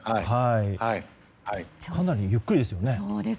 かなりゆっくりですね。